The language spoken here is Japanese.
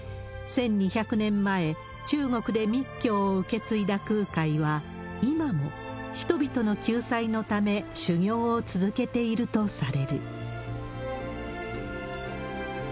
１２００年前、中国で密教を受け継いだ空海は、今も人々の救済のため修行を続けているとされる。